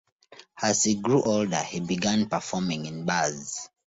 As he grew older, he began performing in bars.